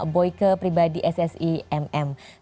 boike pribadi ssi msi